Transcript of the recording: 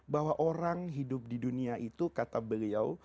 bahwa orang hidup di dunia itu kata beliau